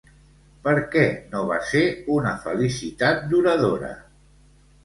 Per què no va ser una felicitat duradora?